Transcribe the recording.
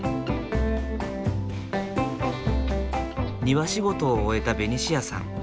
庭仕事を終えたベニシアさん。